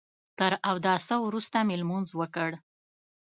تر اوداسه وروسته مې لمونځ وکړ.